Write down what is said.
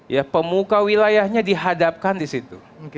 ya pemuka wilayahnya dihadapkan di situ